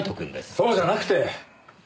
そうじゃなくて！